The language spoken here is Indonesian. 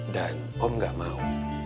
dan om gak mau